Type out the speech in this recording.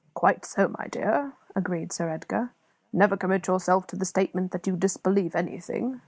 "Quite so, my dear," agreed Sir Edgar. "Never commit yourself to the statement that you disbelieve anything.